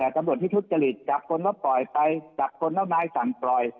ตำรวจที่ทุจริตจับคนว่าปล่อยไปจับคนเจ้านายสั่งปล่อย